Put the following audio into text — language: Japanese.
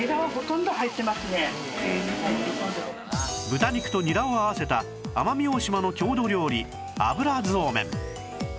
豚肉とニラを合わせた奄美大島の郷土料理油ゾーメン